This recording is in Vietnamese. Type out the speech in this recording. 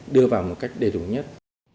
đưa vào một cách đầy đủ nhất